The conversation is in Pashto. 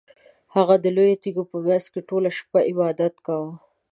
هغه د لویو تیږو په مینځ کې ټوله شپه عبادت کاوه.